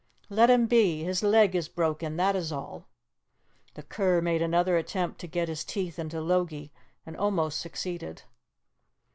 "Let him be. His leg is broken, that is all." The cur made another attempt to get his teeth into Logie, and almost succeeded.